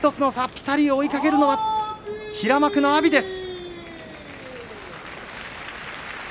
ぴたり追いかけるのは平幕の阿炎です。